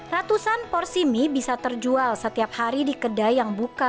ratusan porsi mie bisa terjual setiap hari di kedai yang buka